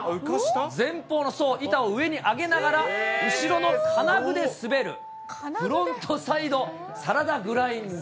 前方の板を上に上げながら、後ろの金具で滑る、フロントサイドサラダグラインド。